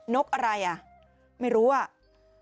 นกอะไรอ่ะไม่รู้อ่ะ